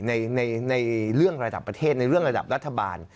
ในเรื่องระดับประเทศในเรื่องระดับรัฐบาล